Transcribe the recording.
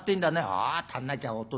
「ああ足んなきゃおと